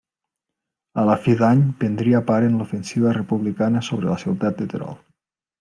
A la fi d'any prendria part en l'ofensiva republicana sobre la ciutat de Terol.